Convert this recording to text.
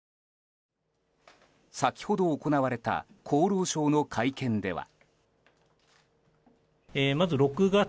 先ほど行われた厚労省の会見では。